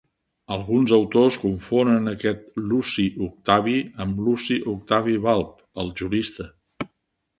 Alguns autors confonen aquest Luci Octavi amb Luci Octavi Balb, el jurista.